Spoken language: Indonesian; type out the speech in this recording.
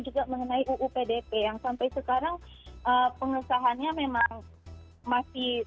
juga mengenai uu pdp yang sampai sekarang pengesahannya memang masih